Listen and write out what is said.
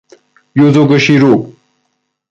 یوزو کوشیرو